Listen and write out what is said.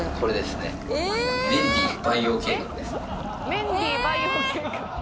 メンディー培養計画。